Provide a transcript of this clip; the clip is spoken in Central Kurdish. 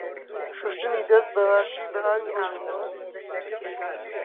شوشتنی دەست بە باشی بە ئاوی ڕۆیشتوو.